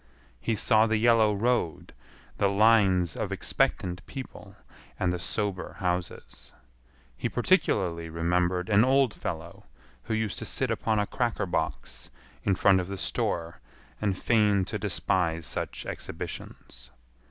He saw the yellow road, the lines of expectant people, and the sober houses. He particularly remembered an old fellow who used to sit upon a cracker box in front of the store and feign to despise such exhibitions.